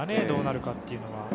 どうなるかっていうのは。